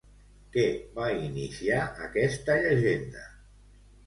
Què va iniciar aquesta llegenda?